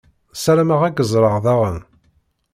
Sarameɣ ad k-ẓṛeɣ daɣen.